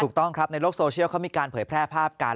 ถูกต้องครับในโลกโซเชียลเขามีการเผยแพร่ภาพกัน